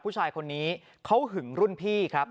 ผู้ชายคนนี้เขาหึงรุ่นพี่ครับ